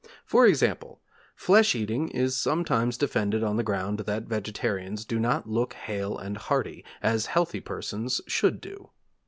For example, flesh eating is sometimes defended on the ground that vegetarians do not look hale and hearty, as healthy persons should do.